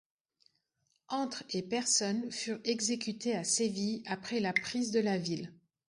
Entre et personnes furent exécutées à Séville après la prise de la ville.